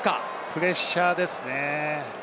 プレッシャーですね。